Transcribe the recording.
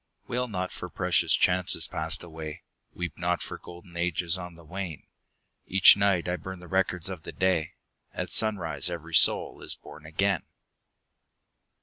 [ 27 ] Selected Poems Wail not for precious chances passed away, Weep not for golden ages on the wane ! Each night I burn the records of the day, — At sunrise every soul is born again